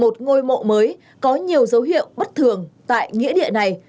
một ngôi mộ mới có nhiều dấu hiệu bất thường tại nghĩa địa này